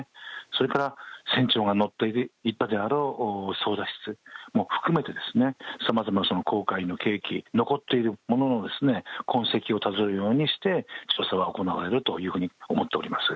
それから船長が乗っていたであろう操舵室も含めてさまざまな航海の計器残っているものの痕跡をたどるようにして捜査は行われると思っております。